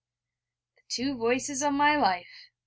The two Voices of my life!